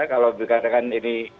kalau dikatakan ini